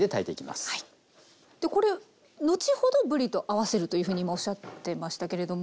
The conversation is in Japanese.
これ後ほどぶりと合わせるというふうに今おっしゃってましたけれども。